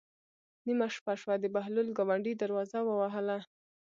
نیمه شپه شوه د بهلول ګاونډي دروازه ووهله.